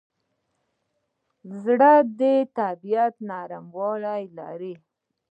زړه د طبیعت نرموالی لري.